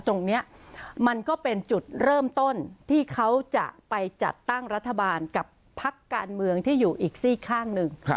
ตรงนี้มันก็เป็นจุดเริ่มต้นที่เขาจะไปจัดตั้งรัฐบาลกับพักการเมืองที่อยู่อีกซี่ข้างหนึ่ง